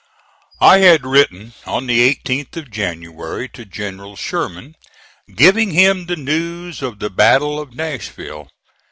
I had written on the 18th of January to General Sherman, giving him the news of the battle of Nashville.